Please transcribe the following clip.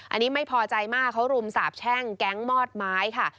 อันนี้ไม่พอใจมากเขารุมสาบแช่งแก๊งมอดไม้ค่ะ